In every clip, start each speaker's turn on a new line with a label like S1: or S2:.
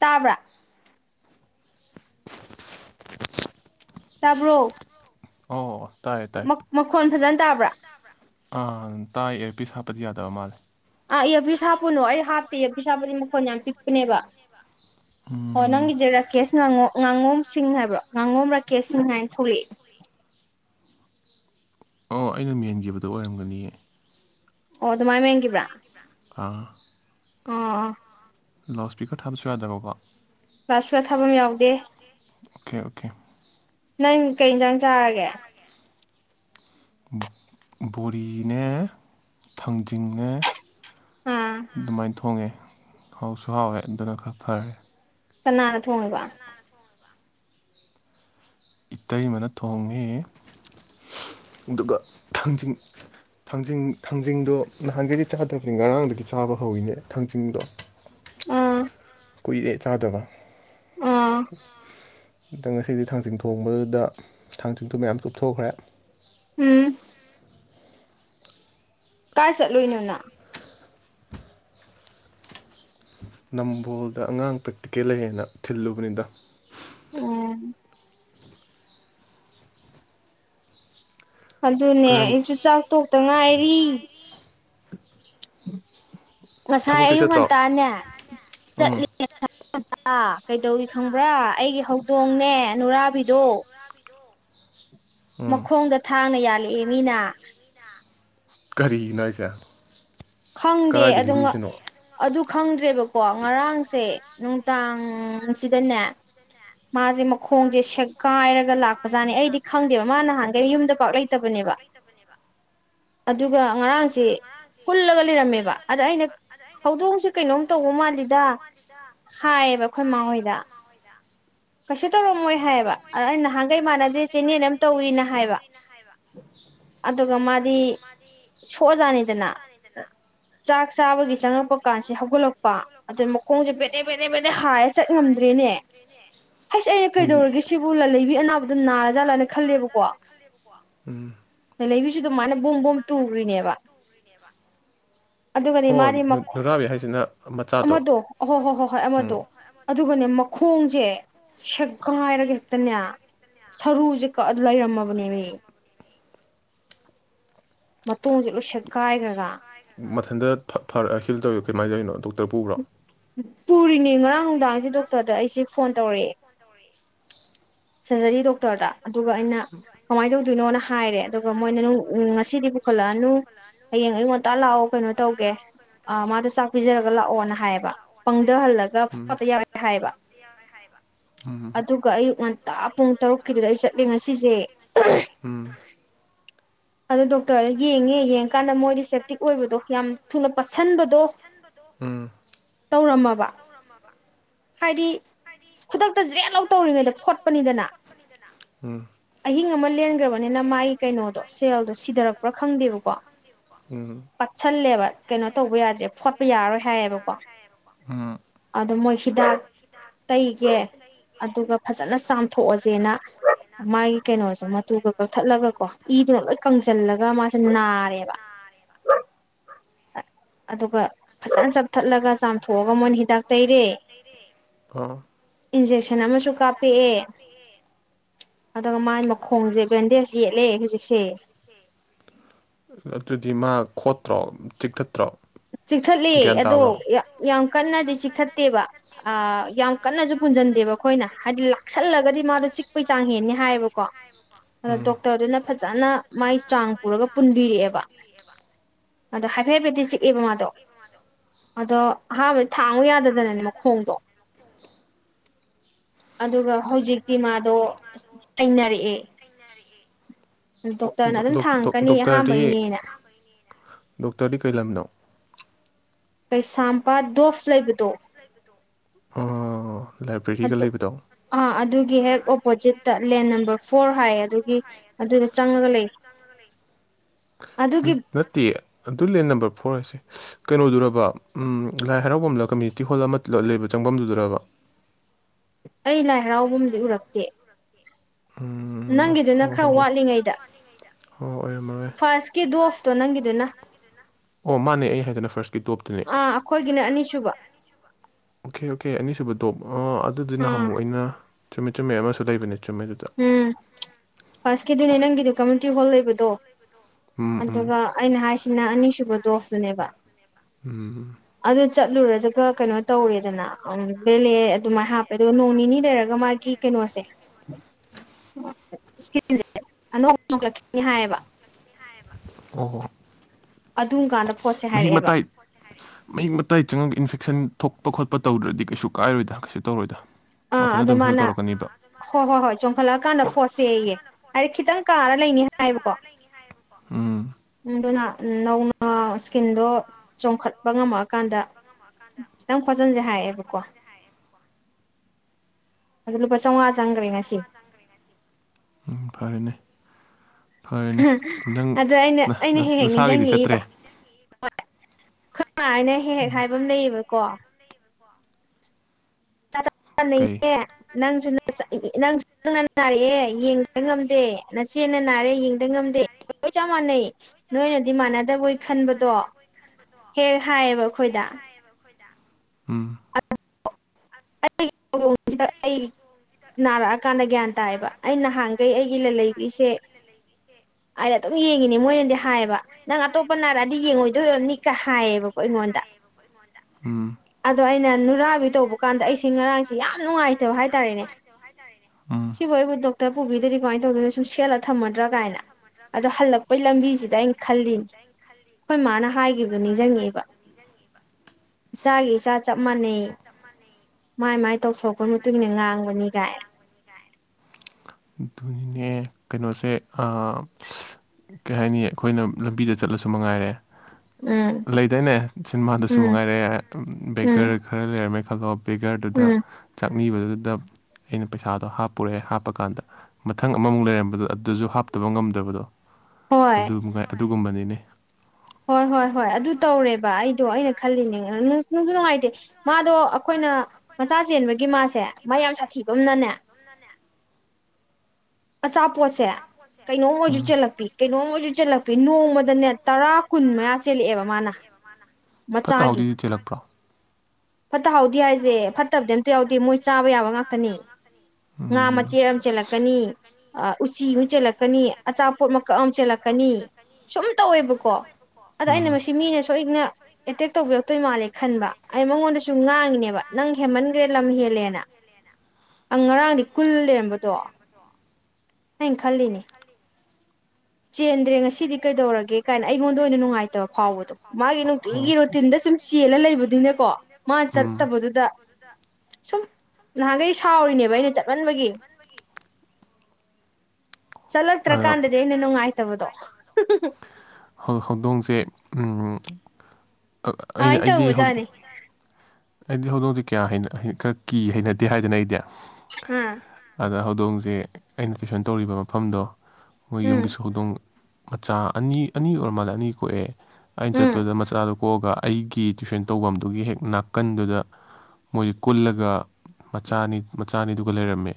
S1: ꯇꯥꯕ꯭ꯔꯥ ꯇꯥꯕ꯭ꯔꯣ
S2: ꯑꯣ
S1: ꯃꯈꯣꯟ ꯐꯖꯟꯅ ꯇꯥꯕ꯭ꯔꯥ
S2: ꯑꯥ ꯇꯥꯔ ꯄꯤꯁ ꯍꯥꯞꯄꯗꯤ ꯌꯥꯗꯕ ꯃꯥꯜꯂꯦ
S1: ꯑꯥ ꯌꯦꯕꯤ ꯁꯥꯄꯨꯅꯣ ꯑꯩ ꯍꯥꯞꯇꯦ ꯌꯦꯕꯤ ꯁꯥꯄꯗꯤ ꯃꯈꯣꯟ ꯌꯥꯝ ꯄꯤꯛꯄꯅꯦꯕ ꯑꯣ ꯅꯪꯒꯤꯁꯦ ꯔꯥꯀꯦꯁ ꯉꯥꯉꯣ ꯉꯥꯉꯣꯝ ꯁꯤꯡ ꯍꯥꯏꯕ꯭ꯔꯣ ꯉꯥꯉꯣꯝ ꯔꯛꯀꯦ ꯁꯤꯡ ꯍꯥꯏꯅ ꯊꯣꯛꯂꯛꯑꯦ
S2: ꯑꯣ ꯑꯩꯅ ꯃꯦꯟꯈꯤꯕꯗꯣ ꯑꯣꯏꯔꯝꯒꯅꯤꯌꯦ
S1: ꯑꯣ ꯑꯗꯨꯃꯥꯏꯅ ꯃꯦꯟꯈꯤꯕ꯭ꯔꯥ
S2: ꯑꯥ
S1: ꯑ
S2: ꯂꯥꯎꯠ ꯁꯄꯤꯀꯔ ꯊꯥꯕꯁꯨ ꯌꯥꯗꯕꯀꯣ
S1: ꯔꯥꯁ ꯑ ꯊꯥꯐꯝ ꯌꯥꯎꯗꯦ
S2: ꯑꯣꯀꯦ ꯑꯣꯀꯦ
S1: ꯅꯪ ꯀꯩ ꯌꯦꯟꯖꯥꯡ ꯆꯥꯔꯒꯦ
S2: ꯕꯣꯔꯤꯅꯦ ꯊꯥꯡꯖꯤꯡꯅꯦ [unintelligible] ꯊꯣꯡꯉꯦ ꯍꯥꯎꯁꯨ ꯍꯥꯎꯋꯦ ꯑꯗꯨꯅ ꯈꯔ ꯐꯔꯦ
S1: ꯀꯅꯥꯅ ꯊꯣꯡꯉꯦꯕ
S2: ꯏꯇꯩꯃꯅ ꯊꯣꯡꯉꯦ ꯑꯗꯨꯒ ꯊꯥꯡꯖꯤꯡ ꯊꯥꯡꯖꯤꯡ ꯊꯥꯡꯖꯤꯡꯗꯣ ꯅꯍꯥꯟꯒꯩꯗꯤ ꯆꯥꯗꯕꯅꯤ ꯉꯔꯥꯡꯗꯒꯤ ꯆꯥꯕ ꯍꯧꯋꯤꯅꯦ ꯊꯥꯡꯖꯤꯡꯗꯣ
S1: ꯎꯝ
S2: ꯀꯨꯏꯔꯦ ꯆꯥꯗꯕ ꯑꯗ ꯉꯁꯤꯗꯤ ꯊꯥꯡꯖꯤꯡ ꯊꯣꯡꯕꯗꯨꯗ ꯊꯥꯡꯖꯤꯡꯗꯨ ꯃꯌꯥꯝ ꯆꯨꯞꯊꯣꯛꯈ꯭ꯔꯦ
S1: ꯎꯝ ꯀꯥꯏ ꯆꯠꯂꯨꯅꯣꯅ
S2: ꯅꯝꯕꯣꯜꯗ ꯑꯉꯥꯡ ꯄ꯭ꯔꯦꯛꯇꯤꯀꯦꯜ ꯂꯩ ꯍꯥꯏꯅ ꯊꯤꯜꯂꯨꯕꯅꯤꯗ
S1: ꯎꯝ ꯑꯗꯨꯅꯦ ꯑꯩꯁꯨ ꯆꯥꯎꯥꯛꯊꯣꯛ ꯇꯉꯥꯏꯔꯤ ꯎꯝ ꯉꯁꯥꯏ ꯑꯌꯨꯛ ꯉꯟꯇꯥꯅꯦ ꯆꯠꯂꯤ ꯀꯩꯗꯧꯏ ꯈꯪꯕ꯭ꯔꯥ ꯑꯩꯒꯤ ꯍꯧꯗꯣꯡꯅꯦ ꯅꯨꯔꯥꯕꯤꯗꯣ ꯃꯈꯣꯡꯗ ꯊꯥꯡꯅ ꯌꯥꯜꯂꯦ ꯑꯦꯃꯤꯅ
S2: ꯀꯔꯤꯒꯤꯅꯣ ꯑꯩꯁꯦ
S1: ꯈꯪꯗꯦ ꯑꯗꯨ ꯑꯗꯨ ꯈꯪꯗ꯭ꯔꯦꯕꯀꯣ ꯉꯔꯥꯡꯁꯦ ꯅꯨꯡꯗꯥꯡꯁꯤꯗꯅꯦ ꯃꯥꯁꯦ ꯃꯈꯣꯡꯁꯦ ꯁꯦꯒꯥꯏꯔꯒ ꯂꯥꯛꯄꯖꯥꯠꯅꯤ ꯑꯩꯗꯤ ꯈꯪꯗꯦꯕ ꯃꯥ ꯅꯍꯥꯟꯈꯩ ꯌꯨꯝꯗ ꯄꯥꯛ ꯂꯩꯇꯕꯅꯦꯕ ꯑꯗꯨꯒ ꯉꯔꯥꯡꯁꯦ ꯀꯨꯜꯂꯒ ꯂꯩꯔꯝꯃꯦꯕ ꯑꯗ ꯑꯩꯅ ꯍꯧꯗꯣꯡꯁꯦ ꯀꯩꯅꯣꯝ ꯇꯧꯕ ꯃꯥꯜꯂꯤꯗ ꯍꯥꯏꯌꯦꯕ ꯑꯩꯈꯣꯏ ꯃꯥꯣꯏꯗ ꯀꯩꯁꯨ ꯇꯧꯔꯝꯃꯣꯏ ꯍꯥꯏꯌꯦꯕ ꯑꯩ ꯅꯍꯥꯟꯒꯩ ꯃꯥꯟꯅꯗꯦ ꯆꯦꯅꯦꯦꯟ ꯑꯃ ꯇꯧꯋꯤꯅ ꯍꯥꯏꯕ ꯑꯗꯨꯒ ꯃꯥꯗꯤ ꯁꯣꯛꯑꯖꯥꯠꯅꯤꯗꯅ ꯆꯥꯛ ꯆꯥꯕꯒꯤ ꯆꯪꯉꯛꯄ ꯀꯥꯟꯁꯤꯦ ꯍꯧꯒꯠꯂꯛꯄ ꯑꯗꯨ ꯃꯈꯣꯡꯁꯦ ꯕꯦꯗꯦ ꯕꯦꯗꯦ ꯕꯦꯗꯦ ꯍꯥꯏꯔ ꯆꯠꯉꯝꯗ꯭ꯔꯔꯤꯅꯦ ꯍꯁ ꯑꯩꯅ ꯀꯩꯗꯧꯔꯒꯦ ꯁꯤꯕꯨ ꯂꯥꯂꯩꯕꯤ ꯑꯅꯥꯕꯗꯨ ꯅꯥꯔꯖꯥꯠꯂꯥꯅ ꯈꯜꯂꯦꯕꯀꯣ ꯂꯂꯩꯕꯤꯁꯨ ꯑꯗꯨꯃꯥꯏꯅ ꯕꯣꯝ ꯕꯣꯝ ꯇꯨꯈꯔꯤꯅꯦꯕ ꯑꯗꯨꯒꯗꯤ ꯃꯥꯔꯤꯃꯛ ꯑꯃꯗꯣ ꯑ ꯍꯣ ꯍꯣ ꯍꯣꯏ ꯍꯣꯏ ꯑꯃꯗꯣ ꯑꯗꯨꯒꯅꯦ ꯃꯈꯣꯡꯁꯦ ꯁꯦꯒꯥꯏꯔꯒ ꯍꯦꯛꯇꯅꯦ ꯁꯔꯨꯁꯦ ꯀꯛꯑ ꯂꯩꯔꯝꯃꯕꯅꯦ ꯃꯇꯣꯡꯁꯦ ꯂꯣꯏꯁꯛ ꯀꯥꯏꯈ꯭ꯔꯒ
S2: ꯃꯊꯟꯇ ꯐꯔꯛ ꯍꯤꯜ ꯇꯧꯔꯛꯏꯔꯥ ꯀꯃꯥꯏꯅ ꯇꯧꯔꯤꯅꯣ ꯗꯣꯛꯇꯔ ꯄꯨꯕ꯭ꯔꯣ
S1: ꯄꯨꯔꯤꯅꯦ ꯉꯔꯥꯡ ꯅꯨꯡꯗꯥꯡꯁꯦ ꯗꯣꯛꯇꯔꯗ ꯑꯩꯁꯦ ꯐꯣꯟ ꯇꯧꯔꯛꯑꯦ ꯁꯔꯖꯔꯤ ꯗꯣꯛꯇꯔꯗ ꯑꯗꯨꯒ ꯑꯩꯅ ꯀꯃꯥꯏꯅ ꯇꯧꯗꯣꯏꯅꯣꯅ ꯍꯥꯏꯔꯦ ꯑꯗꯨꯒ ꯃꯣꯏꯅ ꯅ ꯉꯁꯤꯗꯤ ꯄꯨꯈꯠꯂꯛꯑꯅꯨ ꯍꯌꯦꯡ ꯑꯌꯨꯛ ꯉꯟꯇꯥ ꯂꯥꯛꯑꯣ ꯀꯩꯅꯣ ꯇꯧꯒꯦ ꯃꯥꯗ ꯆꯥꯛ ꯄꯤꯖꯔꯒ ꯂꯥꯛꯑꯣꯅ ꯍꯥꯏꯌꯦꯕ ꯄꯪꯊꯍꯜꯂꯒ ꯐꯠꯇ ꯌꯥꯎꯔꯦ ꯍꯥꯏꯌꯦꯕ ꯑꯗꯨꯒ ꯑꯌꯨꯛ ꯉ ꯍꯞꯇꯥ ꯄꯨꯡ ꯇꯔꯨꯛꯀꯤꯗꯨꯗ ꯆꯠꯂꯦ ꯉꯁꯤꯁꯦ ꯑꯗ ꯗꯣꯛꯇꯔ ꯌꯦꯡꯉꯦ ꯌꯦꯡꯀꯥꯟꯗ ꯃꯣꯏꯗꯤ ꯁꯦꯞꯇꯤꯛ ꯑꯣꯏꯕꯗꯣ ꯌꯥꯝ ꯊꯨꯅ ꯄꯠꯁꯟꯕꯗꯣ ꯇꯧꯔꯝꯃꯕ ꯍꯥꯏꯗꯤ ꯈꯨꯗꯛꯇ ꯖꯦꯟ ꯂꯧ ꯇꯧꯔꯤꯉꯩꯗ ꯄꯅꯤꯗꯅ ꯑꯍꯤꯡ ꯑꯃ ꯂꯦꯟꯈ꯭ꯔꯕꯅꯤꯅ ꯃꯥꯒꯤ ꯀꯩꯅꯣꯗꯣ ꯁꯦꯜꯗꯣ ꯁꯤꯊꯔꯛꯄ꯭ꯔꯥ ꯈꯪꯗꯦꯕꯀꯣ ꯄꯠꯁꯜꯂꯦꯕ ꯀꯩꯅꯣ ꯇꯧꯕ ꯌꯥꯗ꯭ꯔꯦ ꯐꯣꯠꯄ ꯌꯥꯔꯣꯏ ꯍꯥꯏꯌꯦꯕꯀꯣ ꯑꯗꯣ ꯃꯣꯏ ꯍꯤꯗꯥꯛ ꯇꯩꯒꯦ ꯑꯗꯨꯒ ꯐꯖꯅ ꯆꯥꯝꯊꯣꯛꯑꯁꯦꯅ ꯃꯥꯒꯤ ꯀꯩꯅꯣꯁꯦ ꯃꯇꯨꯒ ꯀꯛꯊꯠꯂꯒꯀꯣ ꯏꯗꯨꯅ ꯂꯣꯏ ꯀꯪꯁꯤꯜꯂꯒ ꯃꯥꯁꯦ ꯅꯥꯔꯦꯕ ꯑꯗꯨꯒ ꯐꯖꯅ ꯆꯞꯊꯠꯂꯒ ꯆꯥꯝꯊꯣꯛꯑꯒ ꯃꯣꯏꯅ ꯍꯤꯗꯥꯛ ꯇꯩꯔꯦ ꯏꯟꯖꯦꯛꯁꯟ ꯑꯃꯁꯨ ꯀꯥꯞꯄꯛꯑꯦ ꯑꯗꯨꯒ ꯃꯥꯏꯒꯤ ꯃꯈꯣꯡꯁꯦ ꯕꯦꯟꯗꯦꯖ ꯌꯦꯠꯂꯦ ꯍꯧꯖꯤꯛꯁꯦ
S2: ꯑꯗꯨꯗꯤ ꯃꯥ ꯈꯣꯠꯇ꯭ꯔꯣ ꯇꯤꯛꯊꯠꯇ꯭ꯔꯣ
S1: ꯆꯤꯛꯊꯠꯂꯦ ꯑꯗꯣ ꯌꯥꯝ ꯀꯟꯅꯗꯤ ꯆꯤꯛꯊꯠꯇꯦꯕ ꯌꯥꯝ ꯀꯟꯅꯁꯨ ꯄꯨꯟꯁꯤꯟꯗꯦꯕ ꯑꯩꯈꯣꯏꯅ ꯍꯥꯏꯗꯤ ꯂꯥꯛꯁꯜꯂꯒꯗꯤ ꯃꯥꯗꯣ ꯆꯤꯛꯄꯩ ꯆꯥꯡ ꯍꯦꯅꯤ ꯍꯥꯏꯌꯦꯕꯀꯣ ꯑꯗꯣ ꯗꯣꯛꯇꯔꯗꯨꯅ ꯐꯖꯅ ꯃꯥꯏ ꯆꯥꯡ ꯄꯨꯔꯒ ꯄꯨꯟꯕꯤꯔꯛꯑꯦꯕ ꯑꯗꯣ ꯍꯥꯏꯐꯦꯕꯦꯇ ꯄꯛꯑꯦꯕ ꯃꯥꯗꯣ ꯑꯗꯣ ꯑꯍꯥꯟꯕꯗ ꯊꯥꯡꯉꯨ ꯌꯥꯗꯗꯅꯅꯦ ꯃꯈꯣꯡꯗꯣ ꯑꯗꯨꯒ ꯍꯧꯖꯤꯛꯇꯤ ꯃꯥꯗꯣ ꯇꯩꯅꯔꯛꯑꯦ
S2: ꯗꯣꯛꯇꯔꯗꯤ ꯗꯣꯛꯇꯔꯗꯤ ꯀꯩ ꯂꯝꯅꯣ
S1: ꯀꯩꯁꯥꯝꯄꯥꯠ ꯗꯣꯐ ꯂꯩꯕꯗꯣ ꯑ ꯑ ꯑꯗꯨꯒꯤ ꯍꯦꯛ ꯑꯣꯄꯣꯖꯤꯠꯇ ꯂꯦꯟ ꯅꯝꯕꯔ ꯐꯣꯔ ꯍꯥꯏꯌꯦ ꯑꯗꯨꯒꯤ ꯑꯗꯨꯗ ꯆꯪꯉꯒ ꯂꯩ
S2: ꯅꯠꯇꯦ ꯑꯗꯨ ꯂꯦꯟ ꯅꯝꯕꯔ ꯐꯣꯔ ꯍꯥꯏꯁꯦ ꯀꯩꯅꯣꯗꯨꯔꯕ ꯂꯥꯏ ꯍꯔꯥꯎꯐꯝꯗ ꯀꯝꯃ꯭ꯌꯨꯅꯤꯇꯤ ꯍꯣꯜ ꯑꯃ ꯂꯩꯕ ꯆꯪꯐꯝꯗꯨꯗꯨꯔꯕ
S1: ꯑꯩ ꯂꯥꯏ ꯍꯔꯥꯎꯕꯗꯤ ꯎꯔꯛꯇꯦ ꯅꯪꯒꯤꯗꯨꯅ ꯈꯔ ꯋꯥꯠꯂꯤꯉꯩꯗ ꯐꯥꯔꯁꯀꯤ ꯗꯣꯐꯇꯣ ꯅꯪꯒꯤꯗꯨꯅ
S2: ꯑꯣ ꯃꯥꯅꯦ ꯑꯩ ꯍꯥꯏꯗꯅ ꯐꯥꯔꯁ
S1: ꯑꯥ ꯑꯩꯈꯣꯏꯒꯤꯅ ꯑꯅꯤꯁꯨꯕ
S2: ꯑꯣꯀꯦ ꯑꯣꯀꯦ ꯑꯅꯤꯁꯨꯕ ꯇꯣꯞ ꯑꯗꯨꯗꯤ ꯅꯍꯟꯃꯨꯛ ꯑꯩꯅ ꯆꯨꯝꯃꯦ ꯆꯨꯝꯃꯦ ꯑꯃꯁꯨ ꯂꯩꯕꯅꯤ ꯆꯨꯝ ꯃꯗꯨꯗ
S1: ꯐꯥꯔꯁꯀꯤꯗꯨꯅꯦ ꯅꯪꯒꯤꯗꯣ ꯀꯝꯃꯌꯨꯅꯤꯇꯤ ꯍꯣꯜ ꯂꯩꯕꯗꯣ
S2: ꯎꯝ ꯎꯝ
S1: ꯑꯩꯅ ꯍꯥꯏꯁꯤꯅ ꯑꯅꯤꯁꯨꯕ ꯗꯣꯐꯇꯨꯅꯦꯕ ꯑꯗꯨ ꯆꯠꯂꯨꯔꯁꯨꯒ ꯀꯩꯅꯣ ꯇꯧꯔꯦꯗꯅ ꯕꯦꯂꯦꯠ ꯑꯗꯨꯃꯥꯏꯅ ꯍꯥꯞꯄꯦ ꯑꯗꯨꯒ ꯅꯣꯡ ꯅꯤꯅꯤ ꯂꯩꯔꯒ ꯃꯥꯒꯤ ꯀꯩꯅꯣꯁꯦ ꯁꯀꯤꯟ ꯁꯦ ꯑꯅꯧꯕꯥ ꯆꯤꯡꯈꯠꯂꯛ ꯀꯅꯤ ꯍꯥꯌꯦꯕ ꯑ ꯑꯗꯨ ꯀꯥꯟꯗ
S2: ꯃꯍꯤꯛ ꯃꯇꯥꯏ ꯃꯍꯤꯛ ꯃꯇꯥꯏ ꯆꯪꯉꯒ ꯏꯟꯐꯦꯛꯁꯟ ꯊꯣꯛꯄ ꯈꯣꯠꯄ ꯇꯧꯗ꯭ꯔꯗꯤ ꯀꯩꯁꯨ ꯀꯥꯏꯔꯣꯏꯗ ꯀꯩꯁꯨ ꯇꯧꯔꯣꯏꯗ
S1: ꯑꯥ ꯑꯗꯨ ꯃꯥꯅ ꯍꯣꯏ ꯍꯣꯏ ꯍꯣꯏ ꯆꯣꯡꯈꯠꯂꯛꯑꯀꯥꯟꯗ ꯄꯣꯠꯁꯦ ꯑꯩꯌꯦ ꯍꯥꯏꯗꯤ ꯈꯤꯇꯪ ꯀꯥꯔ ꯂꯩꯅꯤ ꯍꯥꯏꯕꯀꯣ ꯎ ꯑꯗꯨꯅ ꯅꯧꯅ ꯏꯁꯀꯤꯟꯗꯣ ꯆꯣꯡꯈꯠꯄ ꯉꯝꯃꯛꯑꯀꯥꯟꯗ ꯈꯤꯇꯪ ꯐꯣꯠꯆꯤꯟꯁꯦ ꯍꯥꯏꯔꯑꯦꯕꯀꯣ ꯑꯗꯨ ꯂꯨꯄꯥ ꯆꯥꯝꯃꯉꯥ ꯆꯪꯈ꯭ꯔꯦ ꯉꯁꯤ ꯎꯝ ꯑꯗ ꯑꯩꯅ ꯑꯩꯅ ꯍꯦꯛ ꯍꯦꯛ ꯅꯤꯡꯁꯤꯡꯉꯏꯕ ꯈꯔꯃ ꯍꯥꯏꯅ ꯍꯦꯛ ꯍꯦꯛ ꯍꯥꯏꯕ ꯑꯃ ꯂꯩꯌꯦꯕꯀꯣ ꯃꯅꯩꯌꯦ ꯅꯪꯁꯨ ꯅꯪꯁꯨ ꯅꯪꯅ ꯅꯥꯔꯛꯑꯦ ꯌꯦꯡꯗ ꯉꯝꯗꯦ ꯅꯆꯦꯅ ꯅꯥꯔꯦ ꯌꯦꯡꯗ ꯉꯝꯗꯦ ꯂꯣꯏ ꯆꯞ ꯃꯥꯟꯅꯩ ꯅꯣꯏꯅꯗꯤ ꯃꯥꯟꯅꯗꯕꯣꯏ ꯈꯟꯕꯗꯣ ꯍꯦꯛ ꯍꯥꯏꯌꯦꯕ ꯑꯩꯈꯣꯏꯗ ꯑ [unintelligible] ꯑꯩꯒꯤꯣꯡꯁꯤꯗ ꯑꯩ ꯅꯥꯔꯛꯑꯀꯥꯟꯗ ꯒ꯭ꯌꯥꯟ ꯇꯥꯏꯌꯦꯕ ꯑꯩ ꯅꯍꯥꯟꯈꯩ ꯑꯩꯒꯤ ꯂꯂꯩꯕꯤꯁꯦ ꯑꯗ ꯑꯗꯨꯝ ꯌꯦꯡꯉꯤꯅꯦ ꯃꯣꯏꯅꯗꯤ ꯍꯥꯏꯌꯦꯕ ꯅꯪ ꯑꯇꯣꯞꯄ ꯅꯥꯔꯛꯑꯗꯤ ꯌꯦꯡꯉꯣꯏꯗꯣꯏꯅꯤ ꯍꯥꯏꯌꯦꯕꯀꯣ ꯑꯩꯉꯣꯟꯗ ꯑꯗꯣ ꯑꯩꯅ ꯅꯨꯔꯥꯕꯤ ꯇꯧꯕ ꯑꯗꯨ ꯀꯥꯟꯗ ꯑꯩꯁꯦ ꯉꯔꯥꯡꯁꯤꯦ ꯌꯥꯝ ꯅꯨꯡꯉꯥꯏꯇꯕ ꯍꯥꯏꯇꯥꯥꯔꯦꯅꯦ ꯁꯤꯕꯨ ꯑꯩꯕꯨ ꯗꯣꯛꯇꯔ ꯄꯨꯕꯤꯗꯗꯤ ꯀꯃꯥꯏꯅ ꯇꯧꯗꯅ ꯁꯨꯝ ꯁꯦꯠꯂ ꯊꯝꯃꯗ꯭ꯔꯥ ꯀꯥꯏꯅ ꯑꯗꯣ ꯍꯜꯂꯛꯄꯩ ꯂꯝꯕꯤꯁꯤꯗ ꯑꯩꯅ ꯈꯜꯂꯤꯅꯤ ꯑꯩꯈꯣꯏ ꯃꯥꯅ ꯍꯥꯏꯈꯤꯕꯗꯣ ꯅꯤꯡꯁꯤꯡꯉꯦꯕ ꯏꯆꯥꯒꯤ ꯏꯆꯥ ꯆꯞ ꯃꯥꯟꯅꯩ ꯃꯥꯏ ꯃꯥꯏ ꯇꯧꯊꯣꯔꯛꯄꯒꯤ ꯃꯇꯨꯡꯏꯟꯅ ꯉꯥꯡꯕꯅꯤꯒꯥꯏ
S2: ꯀꯩꯅꯣꯁꯦ ꯑ ꯀꯩ ꯍꯥꯏꯅꯤ ꯑꯩꯈꯣꯏꯅ ꯂꯝꯕꯤꯗ ꯆꯠꯂꯁꯨ ꯃꯉꯥꯏꯔꯦ ꯂꯩꯗꯥꯏꯅꯦ ꯁꯤꯅꯦꯃꯥꯗꯨꯁꯨ ꯃꯉꯥꯏꯔꯦ ꯕꯦꯒꯔ ꯈꯔ ꯂꯩꯔꯝꯃꯦ ꯊꯕꯛ ꯕꯦꯒꯔꯗꯨꯗ ꯆꯠ ꯅꯤꯕꯗꯨꯗ ꯑꯩꯅ ꯄꯩꯁꯥꯗꯣ ꯍꯥꯞꯄꯨꯔꯦ ꯍꯥꯞꯄꯀꯥꯟꯗ ꯃꯊꯪ ꯑꯃꯃꯨꯛ ꯂꯩꯔꯝꯕꯗꯨ ꯑꯗꯨꯁꯨ ꯍꯥꯞꯇꯕ ꯉꯝꯗꯕꯗꯣ ꯑꯗꯨ ꯑꯗꯨꯒꯨꯝꯕꯅꯤ ꯄꯤ
S1: ꯍꯣꯏ ꯍꯣꯏ ꯍꯣꯏ ꯑꯗꯨ ꯇꯧꯔꯦꯕ ꯑꯩꯗꯣ ꯑꯩꯅ ꯈꯜꯂꯤ ꯅꯨꯡꯁꯨ ꯅꯨꯡꯉꯥꯏꯇꯦ ꯃꯥꯗꯣ ꯑꯩꯈꯣꯏꯅ ꯃꯆꯥ ꯆꯦꯟꯕꯒꯤ ꯃꯥꯁꯦ ꯃꯥ ꯌꯥꯝ ꯁꯥꯊꯤꯕ ꯑꯃꯅꯅꯦ ꯑꯆꯥꯄꯣꯠꯁꯦ ꯀꯩꯅꯣꯝ ꯑꯣꯏꯁꯨ ꯆꯦꯜꯂꯛꯄꯤ ꯀꯩꯅꯣꯝ ꯑꯣꯏꯁꯨ ꯆꯦꯜꯂꯛꯄꯤ ꯅꯣꯡꯃꯗꯅꯦ ꯇꯔꯥ ꯀꯨꯟ ꯃꯌꯥ ꯆꯦꯜꯂꯛꯑꯦꯕ ꯃꯥꯅ
S2: ꯐꯠꯇ ꯍꯥꯎꯊꯤꯗꯤ ꯊꯜꯂꯛꯄ꯭ꯔꯣ
S1: ꯐꯠꯇ ꯍꯥꯎꯗꯦ ꯍꯥꯏꯁꯦ ꯐꯠꯇꯕꯗꯤ ꯑꯝꯇ ꯌꯥꯎꯗꯦ ꯃꯣꯏ ꯆꯥꯕ ꯌꯥꯕ ꯉꯥꯛꯇꯅꯤ ꯉꯥ ꯃꯆꯦꯠ ꯑꯃ ꯆꯦꯜꯂꯛꯀꯅꯤ ꯎꯆꯤ ꯑꯃꯨ ꯆꯦꯜꯂꯛꯀꯅꯤ ꯑꯆꯥꯄꯣꯠ ꯃꯀꯛ ꯑꯃ ꯆꯦꯜꯂꯛꯀꯅꯤ ꯁꯨꯝ ꯇꯧꯋꯦꯕꯀꯣ ꯑꯗ ꯑꯩꯅ ꯃꯁꯤ ꯃꯤꯅ ꯁꯣꯏ ꯑꯩꯅ ꯑꯦꯇꯦꯛ ꯇꯧꯕꯤꯔꯛꯇꯣꯏ ꯃꯥꯜꯂꯦ ꯈꯟꯕ ꯑꯩ ꯃꯉꯣꯟꯗꯁꯨ ꯉꯥꯡꯉꯤꯅꯦꯕ ꯅꯪ ꯍꯦꯟꯃꯟꯈ꯭ꯔꯦ ꯂꯝ ꯍꯦꯜꯂꯦꯅ ꯑꯪ ꯉꯔꯥꯡꯗꯤ ꯀꯨꯜ ꯂꯩꯔꯝꯕꯗꯣ ꯑꯩꯏ ꯈꯜꯂꯤꯅꯦ ꯆꯦꯟꯗ꯭ꯔꯦ ꯉꯁꯤꯗꯤ ꯀꯩꯗꯧꯔꯒꯦ ꯀꯥꯏꯅ ꯑꯩꯉꯣꯟꯗ ꯑꯣꯏꯅ ꯅꯨꯡꯉꯥꯏꯇꯕ ꯐꯥꯎꯕꯗꯣ ꯃꯥꯒꯤ ꯅꯨꯡꯇꯤꯒꯤ ꯔꯨꯇꯤꯟꯗ ꯁꯨꯝ ꯆꯦꯜꯂ ꯂꯩꯕꯗꯨꯅꯀꯣ ꯃꯥ ꯆꯠꯇꯕꯗꯨꯗ ꯁꯨꯝ ꯅꯍꯥꯟꯈꯩ ꯁꯥꯎꯔꯤꯅꯦꯕ ꯑꯩꯅ ꯆꯠꯍꯟꯕꯒꯤ ꯆꯠꯂꯛꯇ꯭ꯔꯀꯥꯟꯗꯗꯤ ꯑꯩꯅ ꯅꯨꯡꯉꯥꯏꯇꯕꯗꯣ
S2: ꯍꯣ ꯍꯧꯗꯣꯡꯁꯦ
S1: ꯑꯥꯏꯇꯧꯕ ꯖꯅꯤ
S2: ꯑꯩꯗꯤ ꯍꯧꯗꯣꯡꯁꯦ ꯀꯌꯥ ꯍꯥꯏꯅ ꯍꯥꯏ ꯈꯔ ꯀꯤ ꯍꯩꯅꯗꯦ ꯍꯥꯏꯗꯅ ꯑꯩꯗꯤ ꯑꯗꯨ ꯍꯧꯗꯣꯡꯁꯦ ꯑꯩꯅ ꯇꯨꯏꯁꯟ ꯇꯧꯔꯤꯕ ꯃꯐꯝꯗꯣ ꯃꯣꯏ ꯌꯨꯝꯒꯤꯁꯨ ꯍꯧꯗꯣꯡ ꯃꯆꯥ ꯑꯅꯤ ꯑꯅꯤ ꯑꯣꯏꯔ ꯃꯥꯜꯂꯦ ꯑꯅꯤ ꯀꯣꯛꯑꯦ ꯑꯩ ꯆꯠꯄꯗ ꯃꯁꯥ ꯀꯣꯑꯒ ꯑꯩꯒꯤ ꯇꯨꯏꯁꯟ ꯇꯧꯐꯝꯗꯨꯒꯤ ꯍꯦꯛ ꯅꯥꯀꯟꯗꯨꯗ ꯃꯣꯏ ꯀꯨꯜꯂꯒ ꯃꯆꯥꯅꯤ ꯃꯆꯥꯅꯤꯗꯨꯒ ꯂꯩꯔꯝꯃꯦ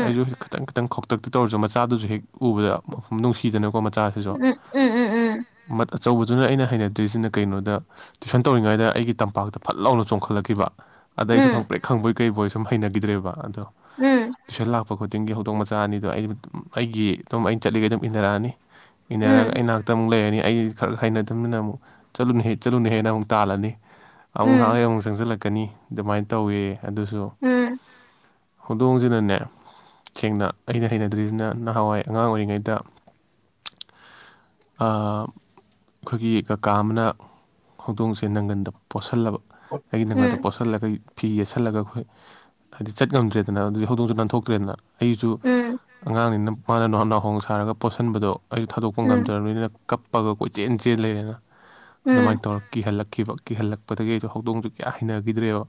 S2: ꯑꯩꯖꯨ ꯈꯤꯇꯪ ꯈꯤꯇꯪ ꯈꯣꯡꯇꯛꯇꯤ ꯇꯧꯔꯁꯨ ꯃꯆꯥꯗꯨꯁꯨ ꯍꯦꯛ ꯎꯕꯗ ꯅꯨꯡꯁꯤꯗꯅꯀꯣ ꯃꯆꯥꯁꯤꯁꯨ ꯑꯆꯧꯕꯗꯨꯅ ꯑꯩꯅ ꯍꯩꯅꯗ꯭ꯔꯤꯁꯤꯅ ꯀꯩꯅꯣꯗ ꯇꯨꯏꯁꯟ ꯇꯧꯔꯤꯉꯩꯗ ꯑꯩꯒꯤ ꯇꯝꯄꯥꯛꯇ ꯐꯠ ꯂꯥꯎꯅ ꯆꯣꯡꯈꯠꯂꯛꯈꯤꯕ ꯑꯗꯩ ꯑꯩꯁꯨ ꯈꯪꯄꯦꯠ ꯈꯪꯕꯩ ꯀꯩꯕꯣꯏ ꯁꯨꯝ ꯍꯩꯅꯈꯤꯗ꯭ꯔꯦꯕ ꯑꯗꯣ
S1: ꯎꯝ
S2: ꯐ ꯈꯨꯇꯤꯡꯒꯤ ꯍꯧꯗꯣꯡ ꯃꯆꯥ ꯑꯅꯤꯗꯣ ꯑꯩ ꯗꯨꯝ ꯑꯩꯒꯤ ꯑꯗꯨꯝ ꯑꯩꯅ ꯆꯠꯂꯤꯒꯩꯗ ꯑꯗꯨꯝ ꯏꯟꯅꯥꯔꯥꯛꯑꯅꯤ ꯏꯟꯅꯔꯒ ꯑꯩ ꯅꯥꯛꯇ ꯑꯃꯨꯛ ꯂꯩꯔꯅꯤ ꯑꯩ ꯈꯔ ꯍꯩꯅꯗꯕꯅꯤꯅ ꯑꯃꯨꯛ ꯆꯠꯂꯨꯅ ꯍꯦ ꯆꯠꯂꯨꯅꯍꯦ ꯅ ꯃꯨꯛ ꯇꯥꯜꯂꯅꯤ ꯑꯃꯨꯛ ꯉꯍꯥꯛ ꯂꯩꯔ ꯑꯃꯨꯛ ꯆꯪꯖꯤꯜꯂꯛ ꯀꯅꯤ ꯑꯗꯨꯃꯥꯏꯅ ꯇꯧꯋꯦ ꯑꯗꯨꯁꯨ ꯍꯧꯗꯣꯡꯁꯤꯅꯅꯦ ꯁꯦꯡꯅ ꯑꯩꯅ ꯍꯩꯅꯗ꯭ꯔꯤꯁꯤꯅ ꯅꯍꯥꯟꯋꯥꯏ ꯑꯉꯥꯡ ꯑꯣꯏꯔꯤꯉꯩꯗ ꯑ ꯑꯈꯣꯏꯒꯤ ꯀꯀꯥ ꯑꯃꯅ ꯍꯧꯗꯣꯡꯁꯦ ꯅꯪꯒꯟꯗ ꯄꯣꯠꯁꯜꯂꯕ ꯑꯩ ꯅꯪꯉꯟꯗ ꯄꯣꯁꯜꯂꯒ ꯐꯤ ꯌꯦꯠꯁꯜꯂꯒ ꯈꯣꯏ ꯍꯥꯏꯗꯤ ꯆꯠ ꯉꯝꯗ꯭ꯔꯦꯗꯅ ꯑꯗꯨꯗꯤ ꯍꯧꯗꯣꯡꯁꯨ ꯅꯥꯟꯊꯣꯛꯇ꯭ꯔꯦꯗꯅ ꯑꯩꯁꯨ ꯑꯉꯥꯡꯅꯤꯅ ꯃꯥꯅ ꯅꯍ ꯅꯥꯍꯣꯡ ꯁꯥꯔꯒ ꯄꯣꯁꯟꯕꯗꯣ ꯑꯩꯁꯨ ꯊꯥꯗꯣꯛꯄ ꯉꯝꯗ꯭ꯔꯕꯅꯤꯅ ꯀꯞ ꯄꯒ ꯀꯣꯏꯆꯦꯟ ꯆꯦꯟ ꯂꯩꯔꯦꯅ ꯑꯗꯨꯃꯥꯏꯅ ꯇꯧꯔ ꯀꯤ ꯍꯜꯂꯛꯈꯤꯕ ꯀꯤꯍꯜꯂꯛꯄꯗꯒꯤ ꯑꯩꯗꯨ ꯍꯧꯗꯣꯡꯗꯨ ꯀ꯭ꯌꯥ ꯍꯩꯅꯒꯤꯗ꯭ꯔꯦꯕ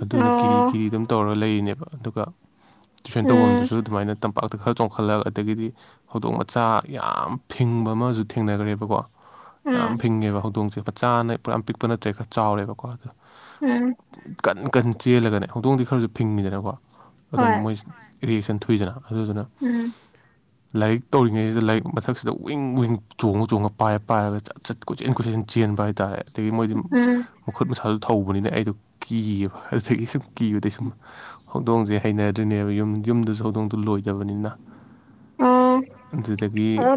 S2: ꯑꯗꯨꯅ ꯀꯤꯔꯤ ꯀꯤꯔꯤ ꯑꯗꯨꯝ ꯇꯧꯔ ꯂꯩ ꯅꯦꯕ ꯑꯗꯨꯒ ꯇꯨꯏꯁꯟ ꯇꯧꯕꯝꯗꯁꯨ ꯑꯗꯨꯃꯥꯏꯅ ꯇꯝꯄꯥꯛꯇ ꯈꯔ ꯆꯣꯡꯈꯠꯂꯛ ꯑꯗꯒꯤꯗꯤ ꯍꯧꯗꯣꯡ ꯃꯆꯥ ꯌꯥꯝ ꯐꯤꯡꯕ ꯑꯃꯁꯨ ꯊꯦꯡꯅꯒ꯭ꯔꯦꯕꯀꯣ ꯌꯥꯝ ꯐꯤꯡꯉꯦꯕ ꯗꯣꯡꯁꯦ ꯄꯆꯥꯅ ꯄꯨꯔꯥ ꯄꯤꯛꯄ ꯅꯠꯇ꯭ꯔꯦꯕ ꯈꯔ ꯆꯥꯎꯔꯦꯕꯀꯣ ꯑꯗꫭ [unintelligible] ꯀꯟ ꯀꯟ ꯆꯦꯜꯂꯒꯅꯦ ꯍꯧꯗꯣꯡꯗꯤ ꯈꯔꯁꯨ ꯐꯤꯡꯉꯤꯗꯅꯀꯣ ꯑꯗꯣ ꯃꯣꯏꯁꯨ ꯍꫭꯏ ꯔꯤꯌꯦꯛꯁꯟ ꯊꯣꯛ ꯍꯨꯏꯗꯅ ꯑꯗꯨꯗꯨꯅ [unintelligible] ꯂꯥꯏꯔꯤꯛ ꯇꯧꯔꯤꯉꯩꯗꯨꯗ ꯂꯥꯏꯔꯤꯛ ꯃꯊꯛꯁꯤꯗ ꯋꯤꯡ ꯋꯤꯡ ꯆꯣꯡꯉ ꯆꯣꯡꯉ ꯄꯥꯏꯔ ꯄꯥꯏꯔꯒ ꯆꯠ ꯆꯠ ꯀꯨ ꯀꯣꯏꯆꯦꯟ ꯀꫭꯏꯆꯦꯟ ꯆꯦꯟꯕ ꯍꯥꯏꯇꯥꯔꯦ ꯑꯗꯒꯤ ꯃꯣꯏꯗꯤ ꯃ ꯃꯈꯨꯠ ꯃꯁꯥꯗꯨ ꯊꯧꯕꯅꯤꯅ ꯑꯩꯗꯣ ꯀꯤꯌꯦꯕ ꯑꯗꯨꯗꯒꯤ ꯁꯨꯝ ꯀꯤꯕꯗꯩ ꯁꯨꯝ ꯍꯧꯗꯣꯡꯁꯦ ꯍꯩꯅꯗ꯭ꯔꯤꯅꯦꯕ ꯌꯨꯝ ꯌꯨꯝꯗꯁꯨ ꯍꯧꯗꯣꯡꯗꯣ ꯂꯣꯏꯗꯕꯅꯤꯅ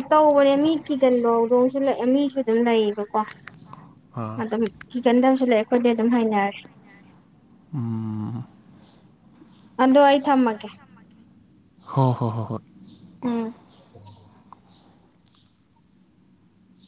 S1: ꯇꯧꯕꯅꯦ ꯃꯤ ꯀꯤꯒꯟꯕ ꯍꯧꯗꯣꯡꯁꯨ ꯑ ꯃꯤꯁꯨ ꯑꯗꯨꯝ ꯂꯩꯌꯦꯕꯀꯣ [unintelligible] ꯀꯤꯒꯟꯗꯕꯁꯨ ꯂꯩꯌꯦ ꯈꯣꯏꯗꯤ ꯑꯗꯨꯝ ꯍꯩꯅꯔꯦ꯫
S2: ꯝꯝ
S1: ꯑꯗꯣ ꯑꯩ ꯊꯝꯃꯒꯦ꯫
S2: ꯍꯣꯏ ꯍꯣ ꯍꯣ ꯍꯣꯏ꯫